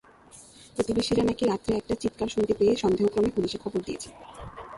প্রতিবেশীরা নাকি রাত্রে একটা চিৎকার শুনতে পেয়ে সন্দেহক্রমে পুলিশে খবর দিয়েছে।